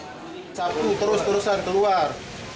sabtu terus terusan keluar